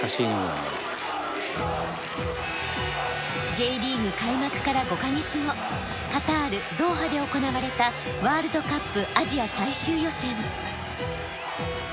Ｊリーグ開幕から５か月後カタールドーハで行われたワールドカップアジア最終予選。